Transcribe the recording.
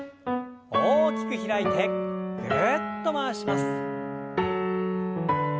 大きく開いてぐるっと回します。